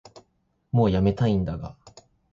もうやめたいんだが